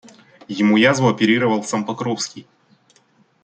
Ему язву оперировал сам Покровский.